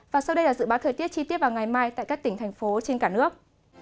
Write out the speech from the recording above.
và sau đây là dự báo thời tiết chi tiết vào ngày mai tại các tỉnh thành phố trên cả nước